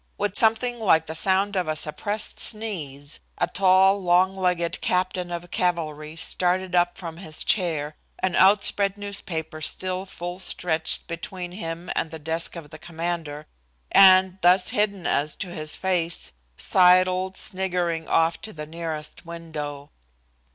With something like the sound of a suppressed sneeze, a tall, long legged captain of cavalry started up from his chair, an outspread newspaper still full stretched between him and the desk of the commander, and, thus hidden as to his face, sidled sniggering off to the nearest window.